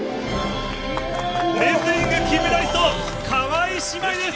レスリング金メダリスト、川井姉妹です。